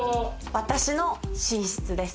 私の寝室です。